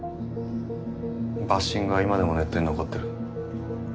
バッシングは今でもネットに残ってる。